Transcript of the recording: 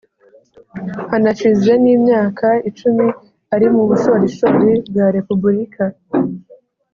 hanashize n' imyaka icumi ari mu bushorishori bwa repubulika.